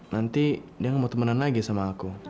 nanti dia mau temenan lagi sama aku